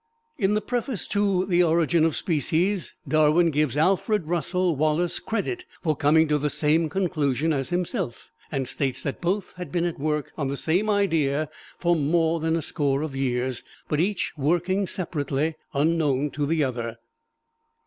In the preface to "The Origin of Species" Darwin gives Alfred Russel Wallace credit for coming to the same conclusion as himself, and states that both had been at work on the same idea for more than a score of years, but each working separately, unknown to the other.